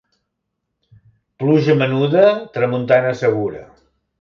Pluja menuda, tramuntana segura.